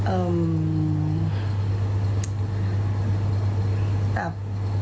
เอ่อแบบ